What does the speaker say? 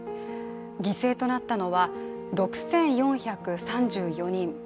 犠牲となったのは６４３４人。